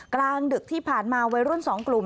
กลางดึกที่ผ่านมาวัยรุ่น๒กลุ่ม